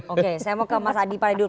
oke saya mau ke mas adi paredul